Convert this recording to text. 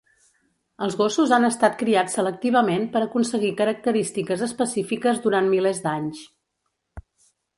Els gossos han estat criats selectivament per aconseguir característiques específiques durant milers d'anys.